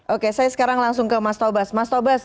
oke saya sekarang langsung ke mas taubes